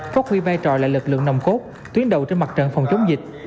phát huy vai trò là lực lượng nồng cốt tuyến đầu trên mặt trận phòng chống dịch